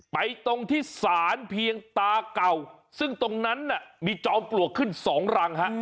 ตรงที่สารเพียงตาเก่าซึ่งตรงนั้นน่ะมีจอมปลวกขึ้นสองรังฮะ